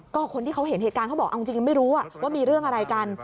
ก็คนที่เขาเห็นเหตุการณ์เขาบอกเอาจริงไม่รู้ว่ามีเรื่องอะไรกัน